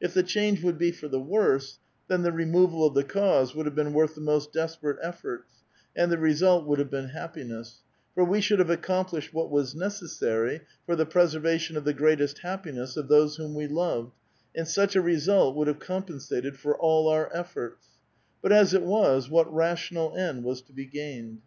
If the change would be for the worse, then the removal of the cause would have been worth tlie most desperate efforts, and the result would have been happiness ; for we should have accomplished what was necessary for the preservation of the greatest happiness of those whom we loved, and such a result would have com pensated for all our efforts; but, as it was, what rational end was to be gained